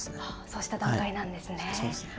そうした段階なんですね。